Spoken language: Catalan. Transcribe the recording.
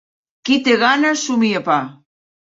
Qui té gana somia pa.